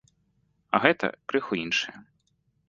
А гэта крыху іншае.